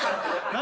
何？